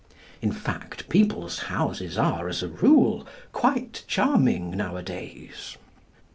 In fact, people's houses are, as a rule, quite charming nowadays.